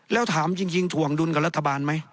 แล้วถามจริงถ่วงดุลกับรัฐบาลไหม